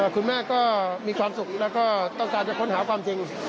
คุณแม่ก็มีความสุขแล้วก็ต้องการจะค้นหาความจริง